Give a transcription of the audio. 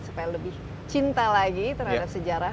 supaya lebih cinta lagi terhadap sejarah